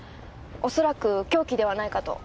おそらく凶器ではないかと。